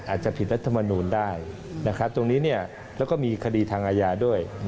อาจจะผิดรัฐมนูลได้ตรงนี้แล้วก็มีคดีทางอาญาด้วย